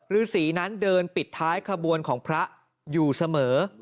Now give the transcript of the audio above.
ฤษีนั้นเดินปิดท้ายขบวนของพระอยู่เสมอ